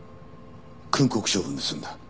訓告処分で済んだ。